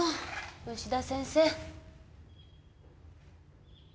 牛田先生